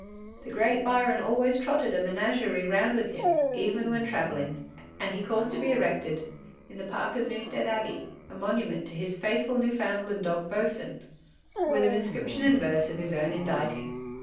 The great Byron always trotted a menagerie round with him, even when travelling, and he caused to be erected, in the park of Newstead Abbey, a monument to his faithful Newfoundland dog Boatswain, with an inscription in verse of his own inditing.